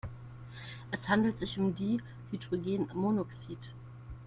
Es handelt sich um Dihydrogenmonoxid.